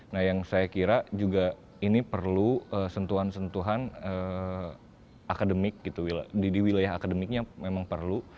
nah yang saya kira juga ini perlu sentuhan sentuhan akademik gitu di wilayah akademiknya memang perlu